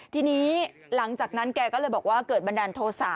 ทีนี้หลังจากนั้นแกก็เลยบอกว่าเกิดบันดาลโทษะ